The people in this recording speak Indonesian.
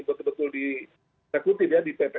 betul betul disekuti ya dipetekkan skala darurat ini diberlakukan